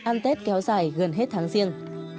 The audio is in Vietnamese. ăn tết kéo dài gần hết tháng riêng